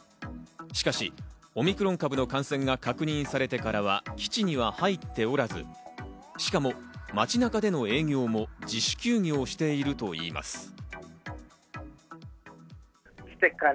しかしオミクロン株の感染が確認されてからは基地には入っておらず、しかも街中での営業も自主休業しているといいます。